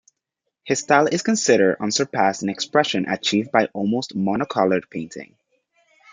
His style is considered unsurpassed in expression achieved by almost mono-colored painting.